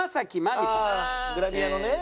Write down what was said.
ああグラビアのね。